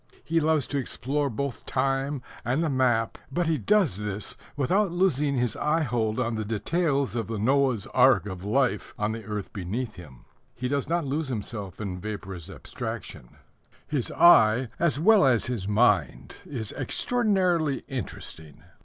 He loves to explore both time and the map, but he does this without losing his eyehold on the details of the Noah's Ark of life on the earth beneath him. He does not lose himself in vaporous abstractions; his eye, as well as his mind, is extraordinarily interesting.